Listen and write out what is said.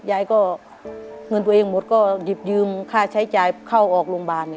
ยายก็เงินตัวเองหมดก็หยิบยืมค่าใช้จ่ายเข้าออกโรงพยาบาล